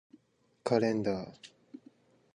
カレンダー